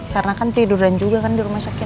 karena kan tiduran juga kan di rumah sakit